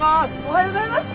おはようございます。